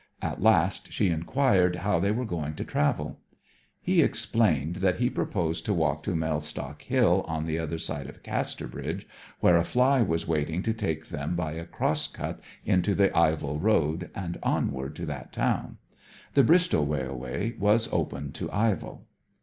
At last she inquired how they were going to travel. He explained that he proposed to walk to Mellstock Hill, on the other side of Casterbridge, where a fly was waiting to take them by a cross cut into the Ivell Road, and onward to that town. The Bristol railway was open to Ivell.